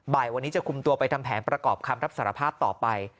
บ่ายวันนี้จะคุมตัวไปทำแผนประกอบคำรับสารภาพต่อไป